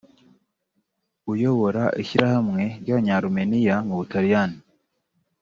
uyobora ishyirahamwe ry’Abanyarumeniya mu Butaliyani